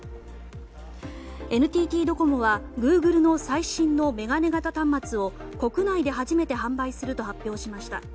ＮＴＴドコモはグーグルの最新の眼鏡型端末を国内で初めて販売すると発表しました。